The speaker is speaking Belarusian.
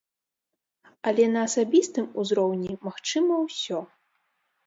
Але на асабістым узроўні магчыма ўсё!